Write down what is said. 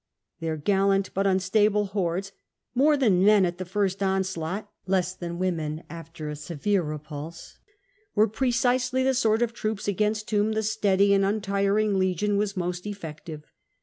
Their gallant but unstable hordes, " more than men at the first onslaught, less than women after a severe repulse,'" were precisely the sort of troops against whom the steady and untiring legion was most effective.